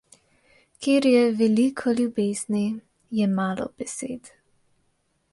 Kjer je veliko ljubezni, je malo besed.